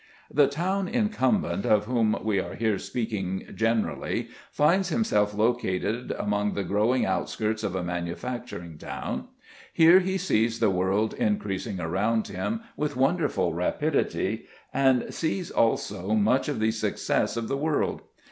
The town incumbent of whom we are here speaking generally finds himself located among the growing outskirts of a manufacturing town. Here he sees the world increasing around him with wonderful rapidity, and sees also much of the success of the world.